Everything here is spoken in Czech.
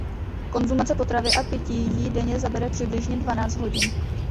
Konzumace potravy a pití jí denně zabere přibližně dvanáct hodin.